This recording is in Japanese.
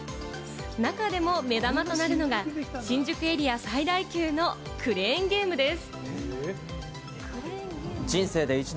中でも目玉となるのが、新宿エリア最大級のクレーンゲームです。